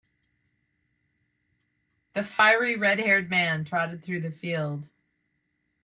The fiery red-haired man trotted through the field.